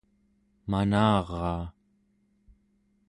manaraa